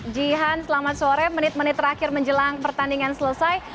jihan selamat sore menit menit terakhir menjelang pertandingan selesai